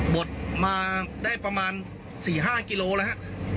ดมาได้ประมาณ๔๕กิโลแล้วฮะ